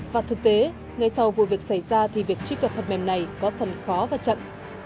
và thực tế ngay sau vụ việc xảy ra thì việc truy cập phần mềm này có phần khó và chậm